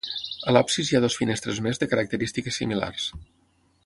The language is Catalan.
A l'absis hi ha dues finestres més de característiques similars.